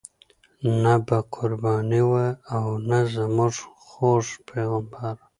نه به قرباني وه او نه زموږ خوږ پیغمبر.